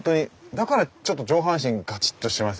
だからちょっと上半身ガチッとしてますねしっかりと。